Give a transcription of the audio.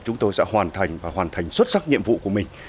chúng tôi sẽ hoàn thành và hoàn thành xuất sắc nhiệm vụ của mình